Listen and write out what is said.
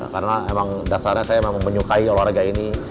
karena emang dasarnya saya memang menyukai olahraga ini